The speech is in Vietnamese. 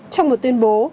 trong một tuyên bố